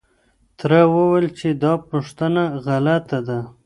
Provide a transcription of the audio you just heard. تره وويل چې دا پوښتنه غلطه ده.